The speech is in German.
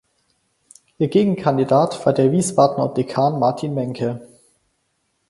Ihr Gegenkandidat war der Wiesbadener Dekan Martin Menke.